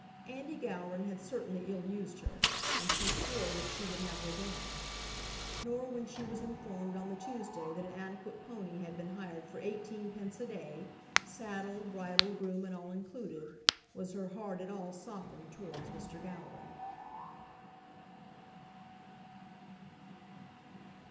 Andy Gowran had certainly ill used her, and she swore that she would have revenge. Nor when she was informed on the Tuesday that an adequate pony had been hired for eighteen pence a day, saddle, bridle, groom, and all included, was her heart at all softened towards Mr. Gowran.